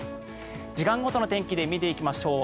時間ごとの天気で見ていきましょう。